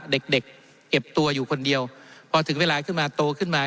เด็กเด็กเก็บตัวอยู่คนเดียวพอถึงเวลาขึ้นมาโตขึ้นมา